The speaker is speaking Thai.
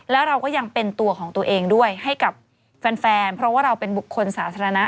แล้วเราก็ยังเป็นตัวของตัวเองด้วยให้กับแฟนเพราะว่าเราเป็นบุคคลสาธารณะ